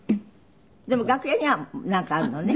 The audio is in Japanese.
でも楽屋にはなんかあるのね？